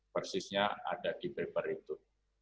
persisnya ada di paper itu